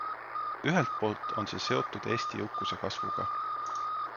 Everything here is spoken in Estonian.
Ühelt poolt on see seotud Eesti jõukuse kasvuga.